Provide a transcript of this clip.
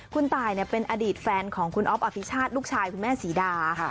คุณตายเป็นอดีตแฟนของคุณอ๊อฟอภิชาติลูกชายคุณแม่ศรีดา